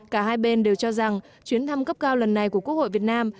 cả hai bên đều cho rằng chuyến thăm cấp cao lần này của quốc hội việt nam